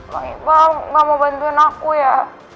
bang iqbal gak mau bantuin aku ya